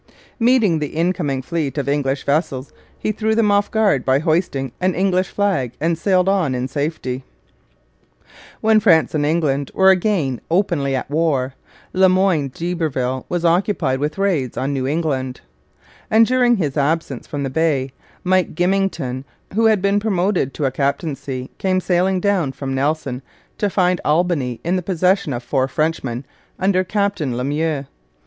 Meeting the incoming fleet of English vessels, he threw them off guard by hoisting an English flag, and sailed on in safety. When France and England were again openly at war, Le Moyne d'Iberville was occupied with raids on New England; and during his absence from the Bay, Mike Grimmington, who had been promoted to a captaincy, came sailing down from Nelson to find Albany in the possession of four Frenchmen under Captain Le Meux.